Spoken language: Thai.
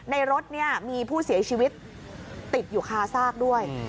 รถเนี่ยมีผู้เสียชีวิตติดอยู่คาซากด้วย